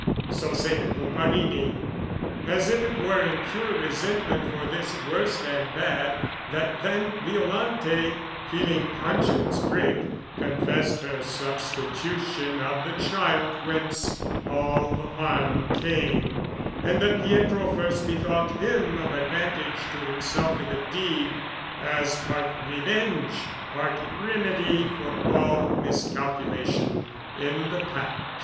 So say the Comparini as if it were In pure resentment for this worse than bad, That then Violante, feeling conscience prick, Confessed her substitution of the child Whence all the harm came, and that Pietro first Bethought him of advantage to himself I' the deed, as part revenge, part remedy For all miscalculation in the pact.